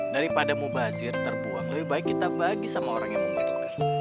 daripada mubazir terbuang lebih baik kita bagi sama orang yang membutuhkan